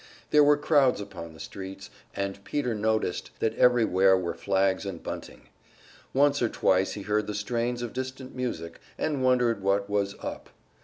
There were crowds upon the streets, and Peter noticed that everywhere were flags and bunting. Once or twice he heard the strains of distant music, and wondered what was "up."